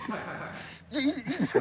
いいですか？